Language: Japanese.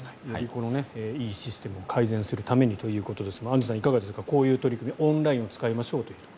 このいいシステムを改善するためにですがアンジュさん、いかがですかこういう取り組みオンラインを使いましょうと。